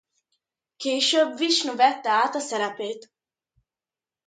Később Visnu vette át a szerepét.